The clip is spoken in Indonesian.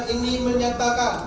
dengan ini menyatakan